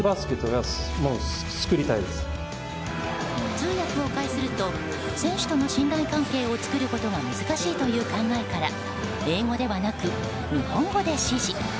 通訳を介すると選手との信頼関係を作ることが難しいという考えから英語ではなく日本語で指示。